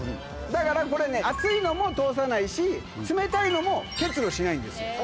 だからこれね熱いのも通さないし冷たいのも結露しないんです。